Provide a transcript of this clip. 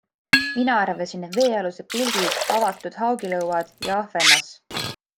mina arvasin, et veealused pildid, avatud haugilõuad ja Ahvenas...